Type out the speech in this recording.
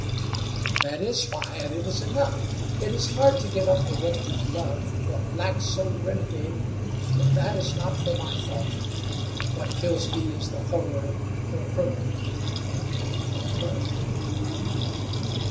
"That is why, and it is enough. It is hard to give up the women you love to a black souled renegade, but that is not for my thought. What kills me is the horror for her for her."